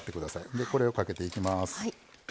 でこれをかけていきます。